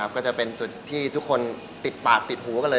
ก็จะเป็นจุดที่ทุกคนติดปากติดหูกันเลย